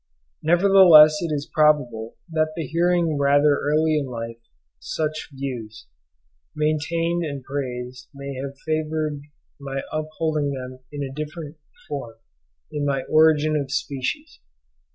Nevertheless it is probable that the hearing rather early in life such views maintained and praised may have favoured my upholding them under a different form in my 'Origin of Species.